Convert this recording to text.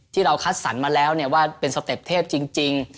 ที่เราคัดสรรมาแล้วว่าเป็นสเต็ปเทพจริง